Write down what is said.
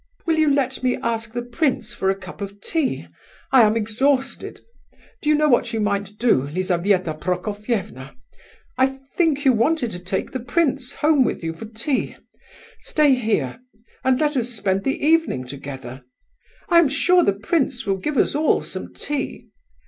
"Will you let me ask the prince for a cup of tea?... I am exhausted. Do you know what you might do, Lizabetha Prokofievna? I think you wanted to take the prince home with you for tea. Stay here, and let us spend the evening together. I am sure the prince will give us all some tea.